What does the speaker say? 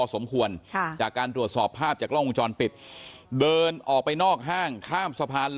สมควรจากการตรวจสอบภาพจากกล้องวงจรปิดเดินออกไปนอกห้างข้ามสะพาน